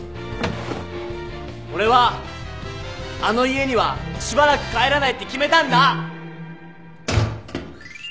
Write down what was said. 俺はあの家にはしばらく帰らないって決めたんだ！